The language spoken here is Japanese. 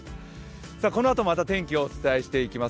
このあとまた天気をお伝えしていきます。